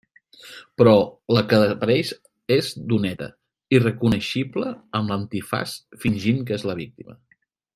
Però la que apareix és Doneta, irreconeixible amb l'antifaç fingint que és la víctima.